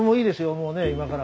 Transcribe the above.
もうね今から。